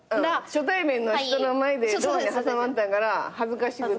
初対面の人の前でドアに挟まったから恥ずかしくて。